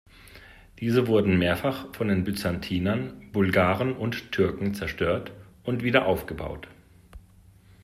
Diese wurde mehrfach von den Byzantinern, Bulgaren und Türken zerstört und wieder aufgebaut.